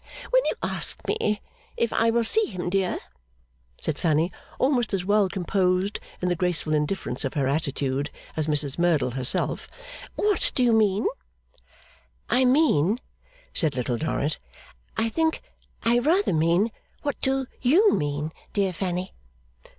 'When you asked me if I will see him, my dear,' said Fanny, almost as well composed in the graceful indifference of her attitude as Mrs Merdle herself, 'what do you mean?' 'I mean,' said Little Dorrit 'I think I rather mean what do you mean, dear Fanny?